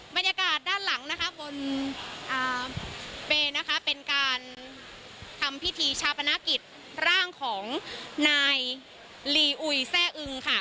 บรรยากาศด้านหลังบนเปลเป็นการทำพิธีชาวประนักกิจร่างของนายลีอุยแทร่อึง